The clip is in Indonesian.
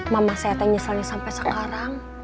mama cece nyeselnya sampai sekarang